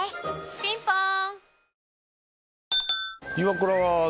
ピンポーン